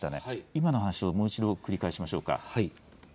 今の話をもう一度繰り返しましょうか。